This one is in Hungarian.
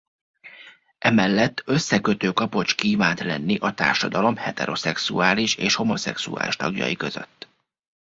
Emellett összekötő kapocs kívánt lenni a társadalom heteroszexuális és homoszexuális tagjai között.